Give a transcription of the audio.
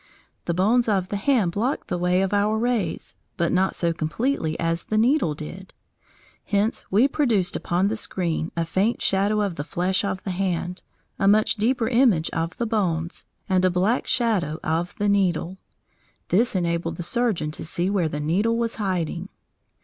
The bones of the hand blocked the way of our rays, but not so completely as the needle did. Hence we produced upon the screen a faint shadow of the flesh of the hand, a much deeper image of the bones, and a black shadow of the needle. This enabled the surgeon to see where the needle was hiding.